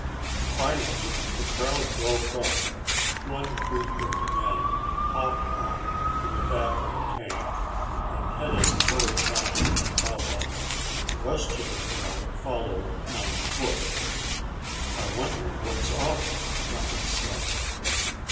Finally the crowd broke up. One group of men hopped on to the back of a tank and headed toward Johnny and Baba. The rest of the crowd followed on foot. "I wonder what's up," Johnny said.